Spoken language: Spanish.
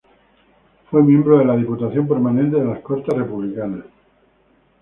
Fue miembro de la Diputación Permanente de las Cortes republicanas.